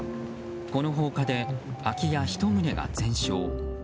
この放火で空き家１棟が全焼。